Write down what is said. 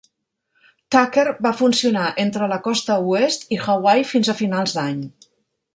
"Tucker" va funcionar entre la costa oest i Hawaii fins a finals d'any.